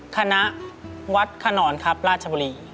คณะวัดขนอนครับราชบุรี